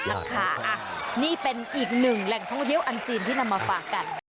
ค่ะนี่เป็นอีกหนึ่งแหล่งท่องเที่ยวอันซีนที่นำมาฝากกัน